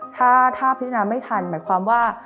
ถ้าพิจารณาไม่ทันหมายความว่า